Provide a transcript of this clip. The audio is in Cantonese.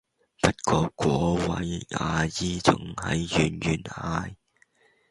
不過果位阿姨仲喺遠遠嗌